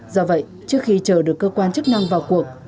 do vậy trước khi chờ được cơ quan chức năng vào cuộc